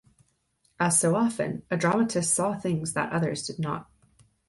As so often, a dramatist saw things that others did not.